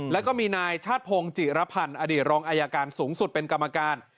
แล้วก็มีนายชาติพงศ์จิรพันธ์อดีตรองอายการสูงสุดเป็นกรรมการ